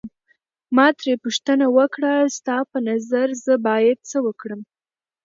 ما ترې پوښتنه وکړه ستا په نظر زه باید څه وکړم.